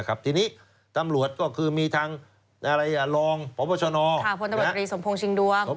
แต่ที่นี้ตำรวจมีทางลองภพชนกภพตบตรศชิงดวง